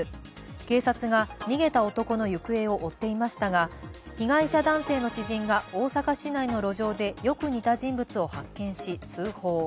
警察が逃げた男の行方を追っていましたが被害者男性の知人が大阪市内の路上でよく似た人物を発見し通報。